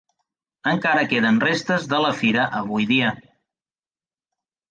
Encara queden restes de la fira avui dia.